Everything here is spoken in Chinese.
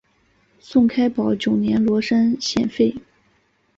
宋开宝九年罗山县废。